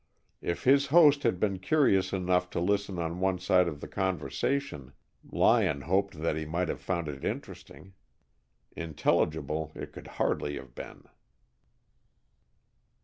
If his host had been curious enough to listen to one side of the conversation, Lyon hoped that he might have found it interesting. Intelligible it could hardly have been.